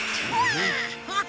ハハハ！